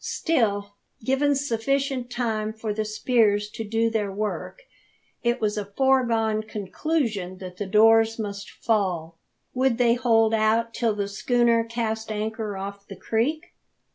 Still, given sufficient time for the spears to do their work, it was a foregone conclusion that the doors must fall. Would they hold out till the schooner cast anchor off the creek?